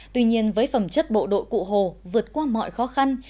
tuy nhiên với phẩm chất bộ đội cụ hồ vượt qua mọi khó khăn